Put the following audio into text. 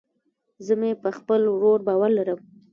زه مې په خپل ورور باور لرم